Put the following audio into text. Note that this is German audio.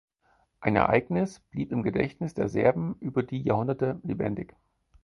Ein Ereignis blieb im Gedächtnis der Serben über die Jahrhunderte lebendig.